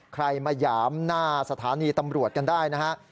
ใครมาหยามหน้าสถานีตำรวจกันได้นะฮะ